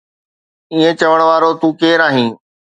ائين چوڻ وارو تون ڪير آهين؟